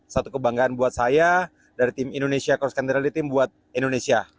satu kebanggaan buat saya dari tim indonesia cross country rally tim buat indonesia